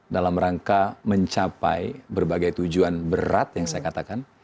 dalam rangka mencapai berbagai tujuan berat yang saya katakan